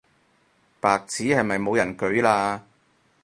白紙係咪冇人舉嘞